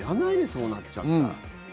そうなっちゃったら。